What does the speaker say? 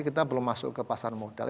kita belum masuk ke pasar modal